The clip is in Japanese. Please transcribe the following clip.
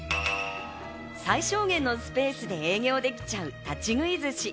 最小限のスペースで営業できちゃう立ち食い寿司。